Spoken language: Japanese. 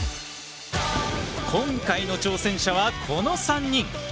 今回の挑戦者はこの３人。